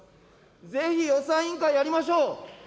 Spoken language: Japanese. ぜひ、予算委員会やりましょう。